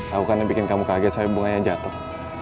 aku kan bikin kamu kaget soalnya bunganya jatuh